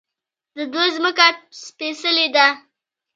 د دوی ځمکه سپیڅلې ده.